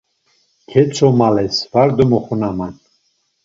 Ketzomales, var domoxunaman.